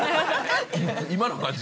今の感じ